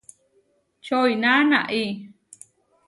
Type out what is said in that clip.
Čoʼiná náʼi.